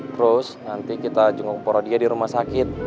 terus nanti kita jenguk poro dia di rumah sakit